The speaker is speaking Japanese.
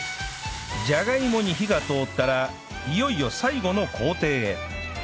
じゃがいもに火が通ったらいよいよ最後の工程へ